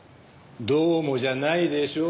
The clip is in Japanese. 「どうも」じゃないでしょ。